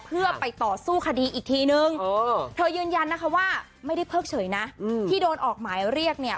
เพื่อไปต่อสู้คดีอีกทีนึงเธอยืนยันนะคะว่าไม่ได้เพิกเฉยนะที่โดนออกหมายเรียกเนี่ย